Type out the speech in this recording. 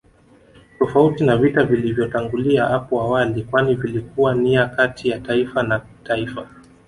Tofauti na vita vilivyotangulia apo awali kwani vilikuwa nia kati ya taifa na taifa